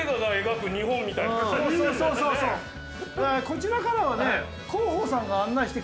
こちらからはね。